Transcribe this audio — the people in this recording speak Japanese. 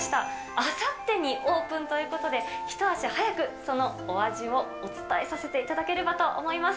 あさってにオープンということで、一足早くそのお味をお伝えさせていただければと思います。